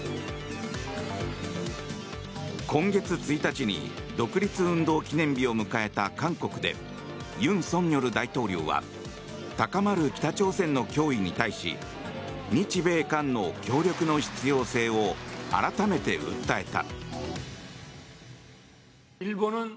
今月１日に独立運動記念日を迎えた韓国で尹錫悦大統領は高まる北朝鮮の脅威に対し日米韓の協力の必要性を改めて訴えた。